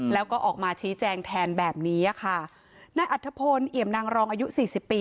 แล้วก็ออกมาชี้แจงแทนแบบนี้อ่ะค่ะนายอัธพลเอี่ยมนางรองอายุสี่สิบปี